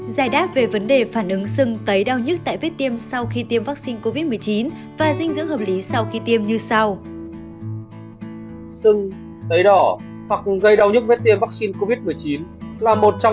giải đáp về vấn đề phản ứng sưng tấy đau nhức tại vết tiêm sau khi tiêm vaccine covid một mươi chín